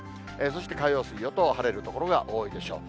そして火曜、水曜と晴れる所が多いでしょう。